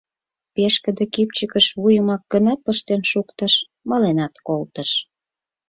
Пешкыде кӱпчыкыш вуйымак гына пыштен шуктыш — маленат колтыш...